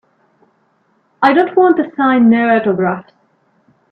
I don't wanta sign no autographs.